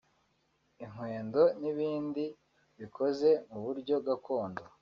inkwendo n’ibindi bikoze mu buryo gakondo